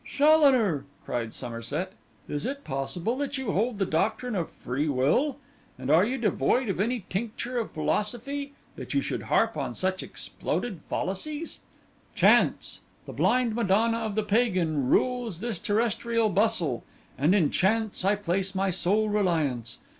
'Challoner!' cried Somerset, 'is it possible that you hold the doctrine of Free Will? And are you devoid of any tincture of philosophy, that you should harp on such exploded fallacies? Chance, the blind Madonna of the Pagan, rules this terrestrial bustle; and in Chance I place my sole reliance.